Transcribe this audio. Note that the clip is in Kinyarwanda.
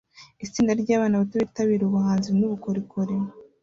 Itsinda ryabana bato bitabira ubuhanzi nubukorikori